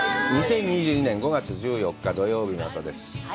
２０２２年５月１４日、土曜日の朝です。